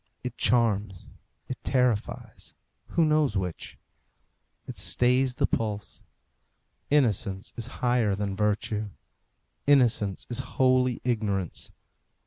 It charms, it terrifies; who knows which? It stays the pulse. Innocence is higher than virtue. Innocence is holy ignorance.